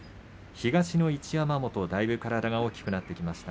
東の一山本だいぶ体が大きくなってきました。